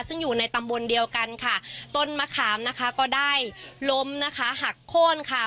ซึ่งอยู่ในตำบลเดียวกันค่ะต้นมะขามนะคะก็ได้ล้มนะคะหักโค้นค่ะ